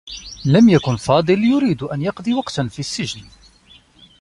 لم يكن فاضل يريد أن يقضي وقتا في السّجن.